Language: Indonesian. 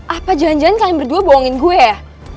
apa jangan jangan kalian berdua bohongin gue ya